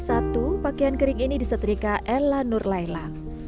satu pakaian kering ini disetrika ella nur laila